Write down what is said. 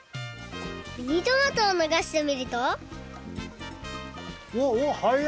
ミニトマトをながしてみるとおおおおはや！